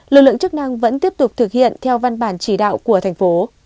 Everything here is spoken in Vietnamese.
lực lượng chức năng vẫn tiếp tục thực hiện theo văn bản chỉ đạo của thành phố